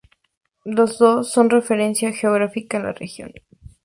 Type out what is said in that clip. Las dos son referencia geográfica en la región.